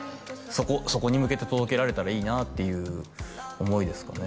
そこに向けて届けられたらいいなって思いですかね